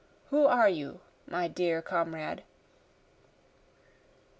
Who are you my dear comrade?